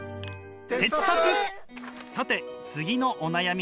さて次のお悩みです。